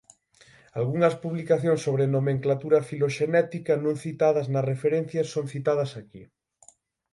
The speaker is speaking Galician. Algunhas publicacións sobre nomenclatura filoxenética non citadas nas referencias son citadas aquí.